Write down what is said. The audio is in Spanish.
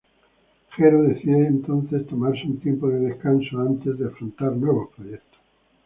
Jero decide entonces tomarse un tiempo de descanso antes de afrontar nuevos proyectos.